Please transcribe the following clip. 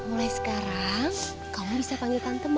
mulai sekarang kamu bisa panggil tante mama